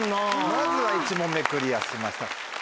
まずは１問目クリアしました。